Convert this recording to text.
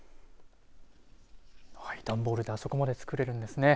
段ボールであそこまでつくれるんですね。